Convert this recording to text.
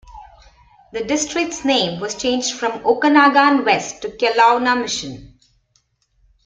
The district's name was changed from Okanagan West to Kelowna-Mission.